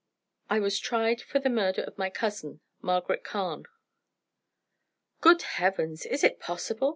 I was tried for the murder of my cousin, Margaret Carne." "Good Heavens! Is it possible?"